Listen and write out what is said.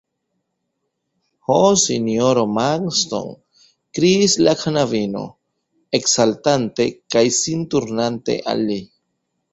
Ho, sinjoro Marston, kriis la knabino, eksaltante kaj sin turnante al li.